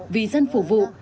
vì dân phụ vụ